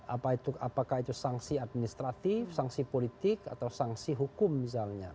apakah itu sanksi administratif sanksi politik atau sanksi hukum misalnya